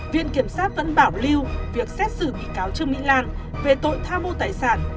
viện kiểm sát vẫn bảo lưu việc xét xử bị cáo trương mỹ lan về tội tham mô tài sản